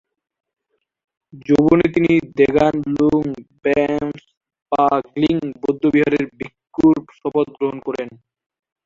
যৌবনে তিনি দ্গোন-লুং-ব্যাম্স-পা-গ্লিং বৌদ্ধবিহারে ভিক্ষুর শপথ গ্রহণ করেন।